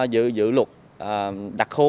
dự luật đặc khu